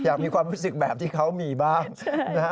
อยากมีความรู้สึกแบบที่เขามีบ้างนะฮะ